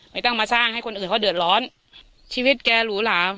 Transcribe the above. ไม่ต้องมาสร้างให้คนอื่นเขาเดือดร้อนชีวิตแกหรูหลาม